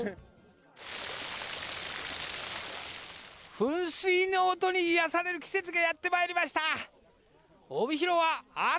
噴水の音に癒やされる季節がやってまいりました。